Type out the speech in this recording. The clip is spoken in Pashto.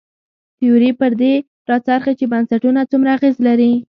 تیوري پر دې راڅرخي چې بنسټونه څومره اغېز لري.